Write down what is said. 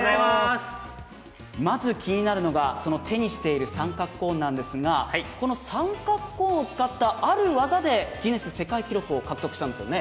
まず気になるのが、その手にしている三角コーンなんですが、この三角コーンを使ったあるワザでギネス世界記録を獲得したんですよね。